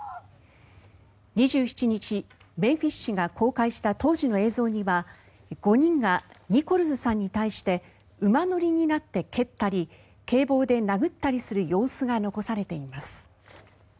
２７日、メンフィス市が公開した当時の映像には５人がニコルズさんに対して馬乗りになって蹴ったり警棒で殴ったりする様子が残されています。